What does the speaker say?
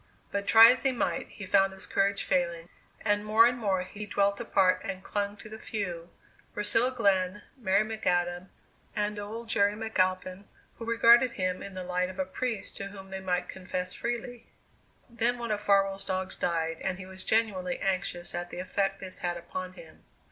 But try as he might he found his courage failing, and more and more he dwelt apart and clung to the few Priscilla Glenn, Mary McAdam, and old Jerry McAlpin who regarded him in the light of a priest to whom they might confess freely. Then one of Farwell's dogs died and he was genuinely anxious at the effect this had upon him.